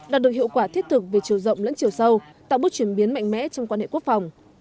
đạt được hiệu quả thiết thực về chiều rộng lẫn chiều sâu tạo bước chuyển biến mạnh mẽ trong quan hệ quốc phòng